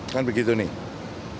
kan begitu nih